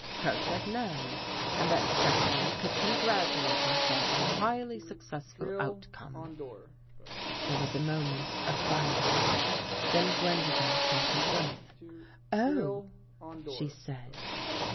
Crow said no, and that Jeffrey could congratulate himself on a highly successful outcome." There was a moment of silence. Then Gwen dolen caught her breath. " Oh," she said.